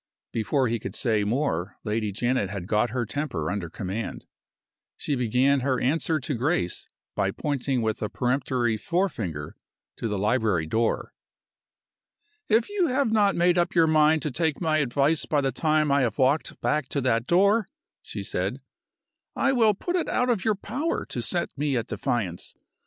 Before he could say more Lady Janet had got her temper under command. She began her answer to Grace by pointing with a peremptory forefinger to the library door. "If you have not made up your mind to take my advice by the time I have walked back to that door," she said, "I will put it out of your power to set me at defiance.